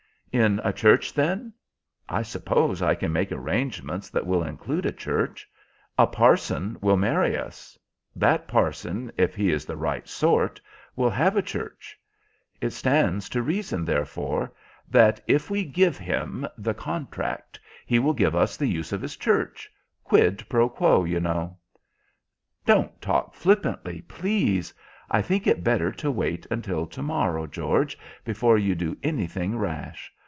"In a church, then? I suppose I can make arrangements that will include a church. A parson will marry us. That parson, if he is the right sort, will have a church. It stands to reason, therefore, that if we give him the contract he will give us the use of his church, quid pro quo, you know." "Don't talk flippantly, please. I think it better to wait until to morrow, George, before you do anything rash.